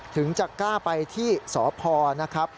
ถึงจะกล้าไปที่สพนะครับ